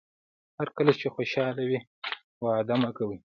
هر کله چې خوشاله وئ وعده مه کوئ.